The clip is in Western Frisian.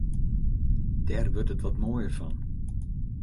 Dêr wurdt it wat moaier fan.